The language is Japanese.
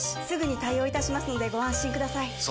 すぐに対応いたしますのでご安心ください